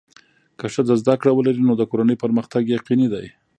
که ښځه زده کړه ولري، نو د کورنۍ پرمختګ یقیني دی.